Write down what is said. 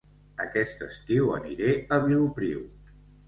Aquest estiu aniré a Vilopriu